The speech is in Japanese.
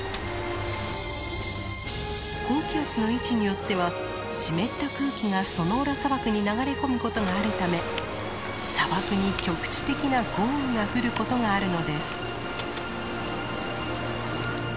高気圧の位置によっては湿った空気がソノーラ砂漠に流れ込むことがあるため砂漠に局地的な豪雨が降ることがあるのです。